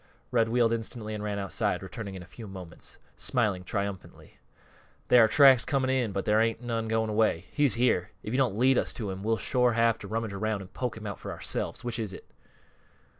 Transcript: Red wheeled instantly and ran outside, returning in a few moments, smiling triumphantly. "There are tracks coming in, but there ain't none going away. He's here. If you don't lead us to him we'll shore have to rummage around an' poke him out for ourselves: which is it?"